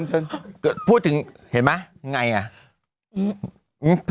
แต่พรุ่งนี้เข้ามาแล้วเหรอ